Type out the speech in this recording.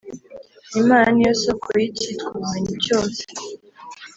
Imana ni yo soko y’icyitwa ubumenyi cyose